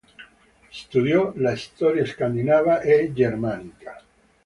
Studiò la storia scandinava e germanica.